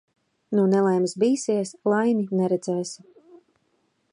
No nelaimes bīsies, laimi neredzēsi.